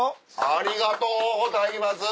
ありがとうございます！